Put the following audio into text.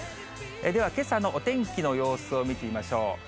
では、けさのお天気の様子を見てみましょう。